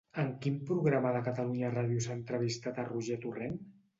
En quin programa de Catalunya Ràdio s'ha entrevistat a Roger Torrent?